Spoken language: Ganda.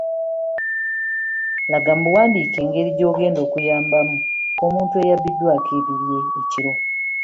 Laga mu buwandiike engeri gy'ogenda okuyambamu omuntu eyabbiddwako ebibye ekiro.